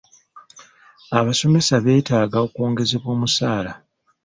Abasomesa beetaaga okwongezebwa omusaala